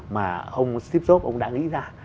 mà ông steve jobs đã nghĩ ra